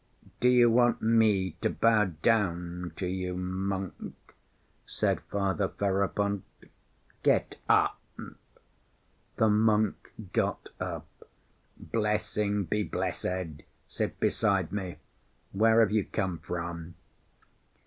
"Do you want me to bow down to you, monk?" said Father Ferapont. "Get up!" The monk got up. "Blessing, be blessed! Sit beside me. Where have you come from?"